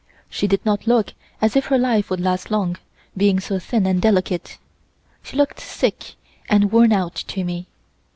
She did not look as if her life would last long, being so thin and delicate. She looked sick and worn out to me.